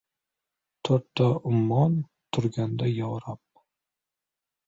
To‘rtta ummon turganda yo rab